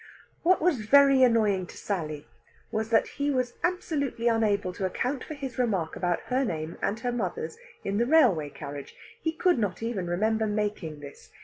What was very annoying to Sally was that he was absolutely unable to account for his remark about her name and her mother's in the railway carriage. He could not even remember making this.